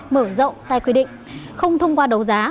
mở rộng sai quy định không thông qua đấu giá